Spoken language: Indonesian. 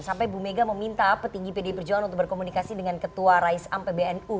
sampai ibu mega meminta petinggi pdi perjuangan untuk berkomunikasi dengan ketua raisam pbnu